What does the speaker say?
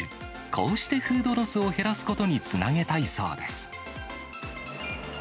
こうしてフードロスを減らすことにつなげたいそうです。